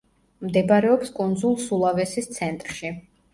მდებარეობს კუნძულ სულავესის ცენტრში.